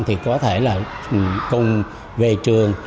thì có thể là cùng về trường